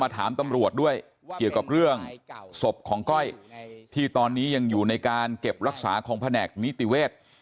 ถามตำรวจด้วยเกี่ยวกับเรื่องศพของก้อยที่ตอนนี้ยังอยู่ในการเก็บรักษาของแผนกนิติเวศ